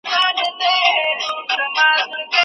چي زما څومره لوی قوت دی څومره توان سمه لرلای